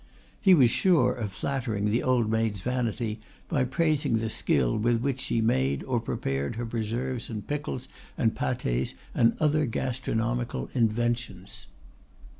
He was sure of flattering the old maid's vanity by praising the skill with which she made or prepared her preserves and pickles and pates and other gastronomical inventions.